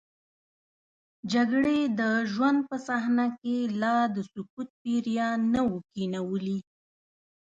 جګړې د ژوند په صحنه کې لا د سکوت پیریان نه وو کینولي.